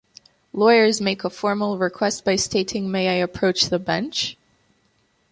Lawyers make a formal request by stating may I approach the bench?